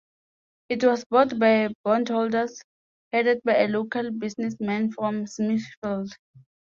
It was bought by bondholders, headed by a local businessman from Smithfield.